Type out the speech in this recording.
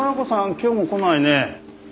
今日も来ないね。